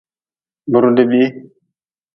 Be rudbii.